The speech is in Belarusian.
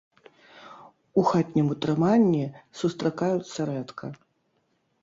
У хатнім утрыманні сустракаюцца рэдка.